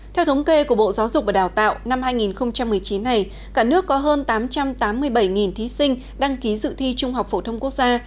theo thống kê của bộ giáo dục và đào tạo năm hai nghìn một mươi chín này cả nước có hơn tám trăm tám mươi bảy thí sinh đăng ký dự thi trung học phổ thông quốc gia